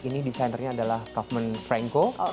ini desainernya adalah kauffman franco